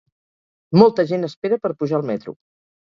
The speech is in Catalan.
Molta gent espera per pujar al metro.